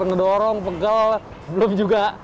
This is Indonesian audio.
ngedorong pegel belum juga